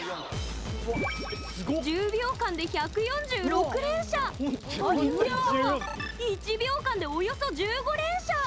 １０秒間で１４６連射ということは１秒間で、およそ１５連射。